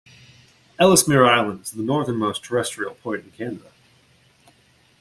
Ellesmere Island is the northernmost terrestrial point in Canada.